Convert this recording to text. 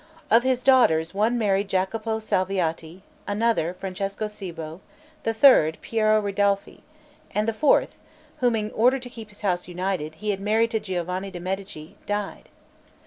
Of his daughters, one married Jacopo Salviati; another, Francesco Cibo; the third, Piero Ridolfi; and the fourth, whom, in order to keep his house united, he had married to Giovanni de' Medici, died.